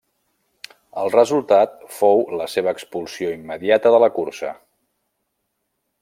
El resultat fou la seva expulsió immediata de la cursa.